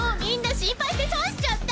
心配して損しちゃった！